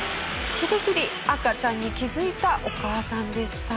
ギリギリ赤ちゃんに気づいたお母さんでした。